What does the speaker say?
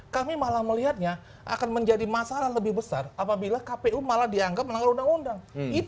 kami malah melihatnya akan menjadi masalah lebih besar apabila kpu malah dianggap melanggar undang undang